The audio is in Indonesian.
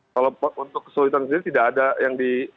kalau untuk keseluruhan